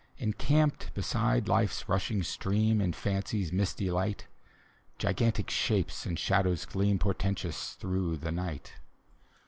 Encamped beside Life's rushing stream. In Fancy's misty light, Gigantic shapes and shadows gleam Portentous through the night.